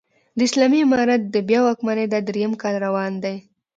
د اسلامي امارت د بيا واکمنۍ دا درېيم کال روان دی